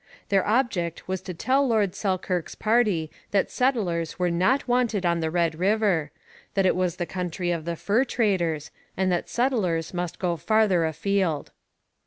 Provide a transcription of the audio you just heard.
Their object was to tell Lord Selkirk's party that settlers were not wanted on the Red River; that it was the country of the fur traders, and that settlers must go farther afield.